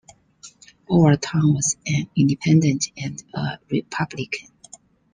Overton was an independent and a republican.